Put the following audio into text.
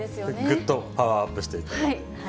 ぐっとパワーアップしていただいて。